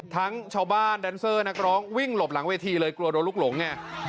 ทั้งชาวบ้านแดนเซอร์นักร้องวิ่งหลบหลังเวทีเลยกลัวโดนลูกหลงไง